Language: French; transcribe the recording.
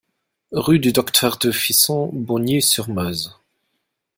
Rue du Docteur de Fisson, Bogny-sur-Meuse